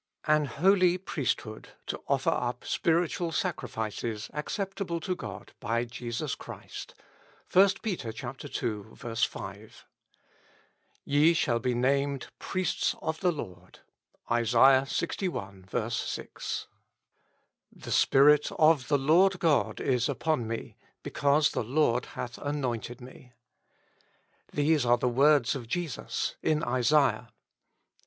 An holy priesthood, to offer tip spiritual sacrifices accept able to God by Jesus Christ. — i Peter ii. 5. Ye shall be named the Priests of the Lord. — IsAIAH Ixi. 6. •• T^HE Spirit of the Lord God is upon me ; be 1 cause the Lord hath anointed me." These are the words of Jesus in Isaiah.